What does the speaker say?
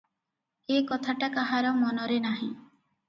ଏ କଥାଟା କାହାର ମନରେ ନାହିଁ ।